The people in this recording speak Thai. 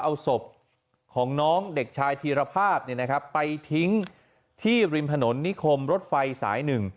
เอาศพของน้องเด็กชายธีรภาพไปทิ้งที่ริมถนนนิคมรถไฟสายหนึ่ง